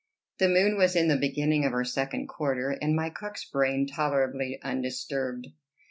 The moon was in the beginning of her second quarter, and my cook's brain tolerably undisturbed.